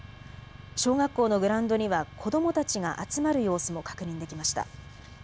小学校のグラウンドには子どもたちが集まる様子も確認できました。